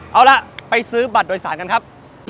เอาล่ะไปซื้อบัตรโดยสารกันครับ